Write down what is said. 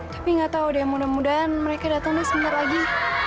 tapi nggak tahu deh mudah mudahan mereka datang deh sebentar lagi